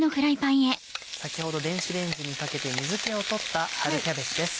先ほど電子レンジにかけて水気を取った春キャベツです。